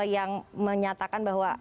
yang menyatakan bahwa